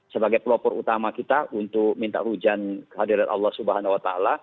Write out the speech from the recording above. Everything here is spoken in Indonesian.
sebagai pelopor utama kita untuk minta hujan kehadiran allah swt